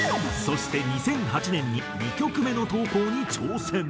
そして２００８年に２曲目の投稿に挑戦。